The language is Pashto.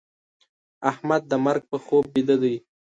احمد د مرګ په خوب بيده دی.